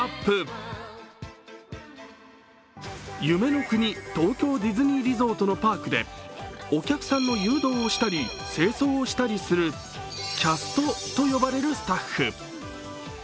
夢の国、東京ディズニーリゾートのパークでお客さんの誘導をしたり清掃をしたりするキャストと呼ばれるスタッフ。